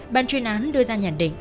ban chuyên án đưa ra nhận định